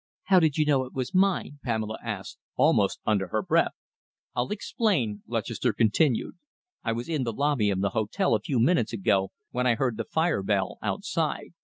"How did you know it was mine?" Pamela asked, almost under her breath. "I'll explain," Lutchester continued. "I was in the lobby of the hotel, a few minutes ago, when I heard the fire bell outside.